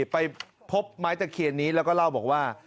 ไปพบไม้ตะเคียนนี้แล้วก็เล่าบอกว่า